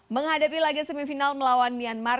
menghadapi laga semifinal melawan myanmar